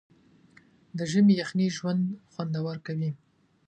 د ژمي یخنۍ ژوند خوندور کوي.